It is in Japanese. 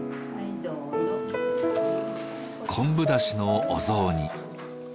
昆布だしのお雑煮。